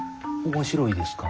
面白いですか？